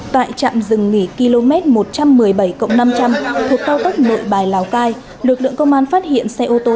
tại trạm rừng nghỉ km một trăm một mươi bảy năm trăm linh thuộc cao tốc nội bài lào cai lực lượng công an phát hiện xe ô tô